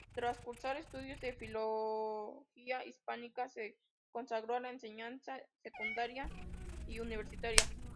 Tras cursar estudios de filología hispánica, se consagró a la enseñanza secundaria y universitaria.